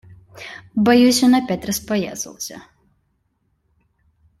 Боюсь, он опять распоясался.